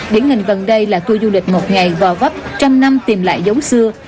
điển hình gần đây là tui du lịch một ngày gò góp trăm năm tìm lại dấu xưa